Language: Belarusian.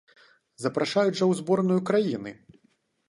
Запрашаюць жа ў зборную краіны!